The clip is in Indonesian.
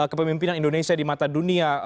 kepemimpinan indonesia di mata dunia